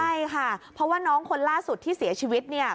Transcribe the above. ใช่ค่ะเพราะว่าน้องคนล่าสุดที่เสียชีวิตเนี่ย